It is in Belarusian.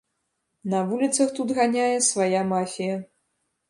На вуліцах тут ганяе свая мафія.